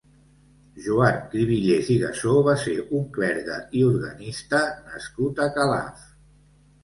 Joan Cribillers i Gasó va ser un clergue i organista nascut a Calaf.